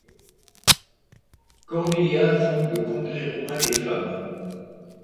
Cornelia fonde le Congrès roumain des femmes.